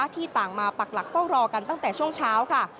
ที่ต่างมาปักหลักเฝ้ารอกันตั้งแต่ช่วงเช้าค่ะ